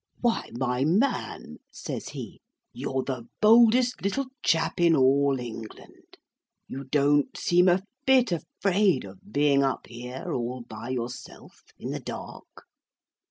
"Why, my man," says he, "you're the boldest little chap in all England. You don't seem a bit afraid of being up here all by yourself in the dark."